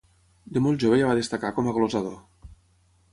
De molt jove ja va destacar com a glosador.